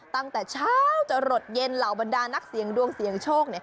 ตั้งแต่เช้าจะหลดเย็นเหล่าบรรดานักเสียงดวงเสียงโชค